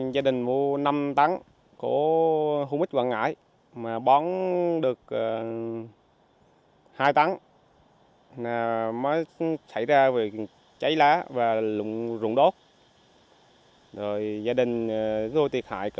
gia đình mua năm tấn của humix quảng ngãi mà bón được hai tấn mới xảy ra về cháy lá và rụng đốt